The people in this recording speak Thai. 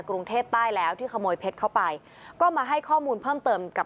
กรุงเทพใต้แล้วที่ขโมยเพชรเข้าไปก็มาให้ข้อมูลเพิ่มเติมกับ